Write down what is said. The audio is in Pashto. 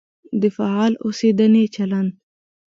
د فعال اوسېدنې چلند.